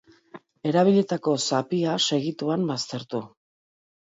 Erabilitako zapia segituan baztertu.